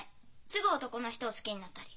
すぐ男の人を好きになったり。